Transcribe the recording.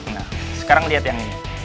nah sekarang lihat yang ini